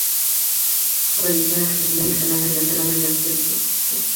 Fue la tercer baliza argentina instalada en las Sandwich del Sur.